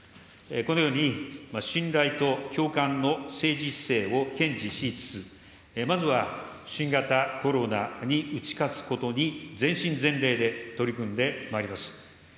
このように、信頼と共感の政治姿勢を堅持しつつ、まずは新型コロナに打ち勝つことに全身全霊で取り組んでまいります。